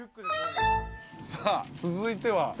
さあ続いては？